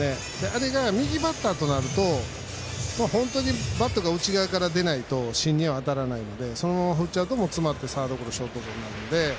あれが右バッターとなると本当にバットが内側から出ないと芯には当たらないのでそのまま振っちゃうと詰まってサードゴロショートゴロになるので。